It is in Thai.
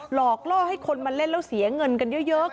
หลอกล่อให้คนมาเล่นแล้วเสียเงินกันเยอะ